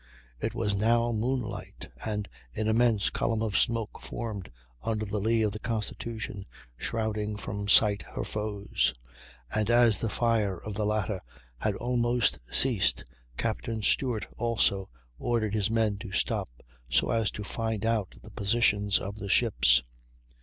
It was now moonlight, and an immense column of smoke formed under the lee of the Constitution, shrouding from sight her foes; and, as the fire of the latter had almost ceased, Captain Stewart also ordered his men to stop, so as to find out the positions of the ships.